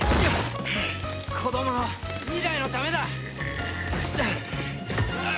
子供の未来のためだ！